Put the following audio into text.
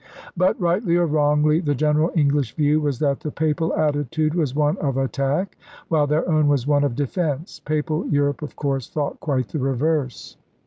But, rightly or wrongly, the general English view was that the Papal attitude was one of attack while their own was one of defence. Papal Europe of course thought quite the reverse.